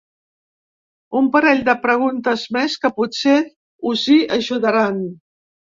Un parell de preguntes més que potser us hi ajudaran.